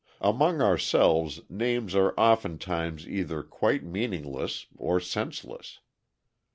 Among ourselves names are often times either quite meaningless or senseless.